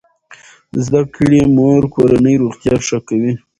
زده کړې مور کورنۍ روغتیا ښه کوي.